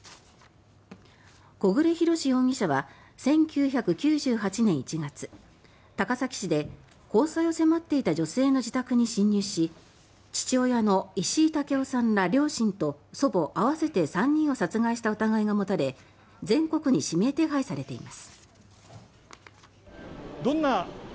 小暮洋史容疑者は１９９８年１月高崎市で交際を迫っていた女性の自宅に侵入し父親の石井武夫さんら両親と祖母合わせて３人を殺害した疑いが持たれ全国に指名手配されています。